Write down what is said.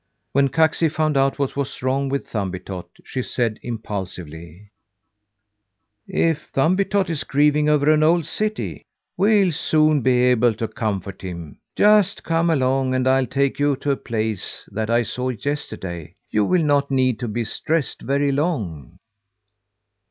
When Kaksi found out what was wrong with Thumbietot, she said impulsively: "If Thumbietot is grieving over an old city, we'll soon be able to comfort him. Just come along, and I'll take you to a place that I saw yesterday! You will not need to be distressed very long."